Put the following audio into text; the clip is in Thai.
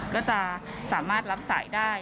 ก็จะสามารถรับสายได้